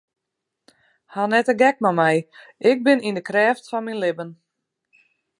Haw net de gek mei my, ik bin yn de krêft fan myn libben.